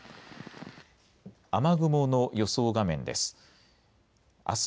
雨雲の予想画面です。